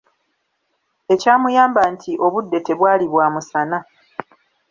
Ekyamuyamba nti obudde tebwali bwa musana.